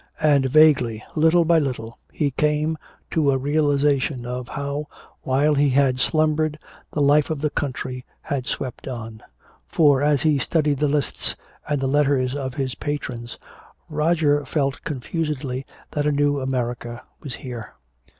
And vaguely, little by little, he came to a realization of how while he had slumbered the life of the country had swept on. For as he studied the lists and the letters of his patrons, Roger felt confusedly that a new America was here.